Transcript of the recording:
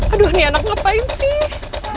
aduh ini anak ngapain sih